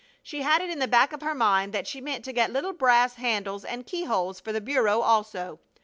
She had it in the back of her mind that she meant to get little brass handles and keyholes for the bureau also.